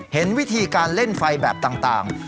เห็นวิธีการเล่นไฟแบบต่าง